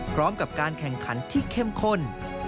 พร้อมกับการแข่งขันที่เข้มข้น